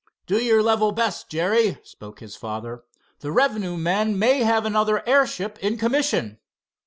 "Do your level best, Jerry," spoke his father. "The revenue men may have another airship in commission."